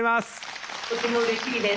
とてもうれしいです。